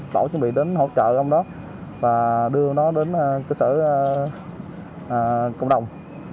tổ chuẩn bị đến hỗ trợ ông đó và đưa ông đó đến cơ sở cộng đồng